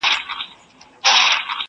نشه یمه تر اوسه جام مي بل څکلی نه دی,